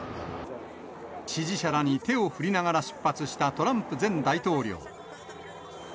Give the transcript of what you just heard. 支持者らに手を振りながら出発したトランプ前大統領。